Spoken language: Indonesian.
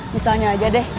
misalnya aja deh